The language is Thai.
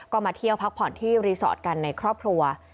ก็มาเที่ยวพักผ่อนที่รีสอร์ทกันในครอบครัว